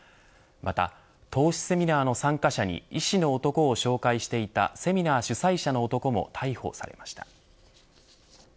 また投資セミナーの参加者に医師の男を紹介していたセミナー主催者の男も逮捕されました。